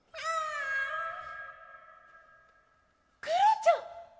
クロちゃん！